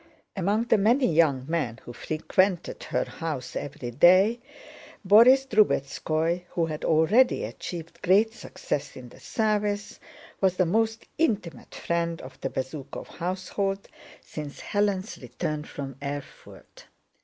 Among the many young men who frequented her house every day, Borís Drubetskóy, who had already achieved great success in the service, was the most intimate friend of the Bezúkhov household since Hélène's return from Erfurt.